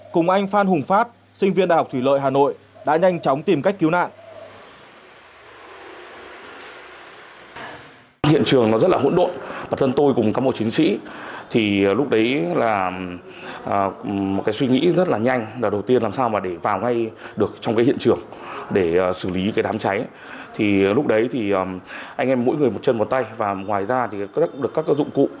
cùng anh phan hùng phát sinh viên đh thủy lợi hà nội đã nhanh chóng tìm cách cứu nạn